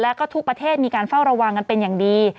แล้วก็ทุกประเทศมีการเฝ้าระวังกันเป็นอย่างดี